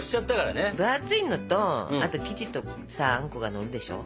分厚いのとあと生地とかさあんこがのるでしょ？